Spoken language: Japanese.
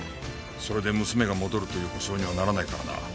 それで娘が戻るという保証にはならないからな。